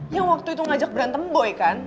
yang waktu itu ngajak berantem boy kan